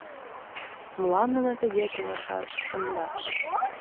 Молан нуно тыге толашат, шонеда?